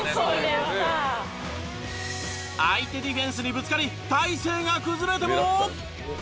相手ディフェンスにぶつかり体勢が崩れても。